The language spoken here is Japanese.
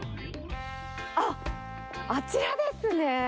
あっ、あちらですね。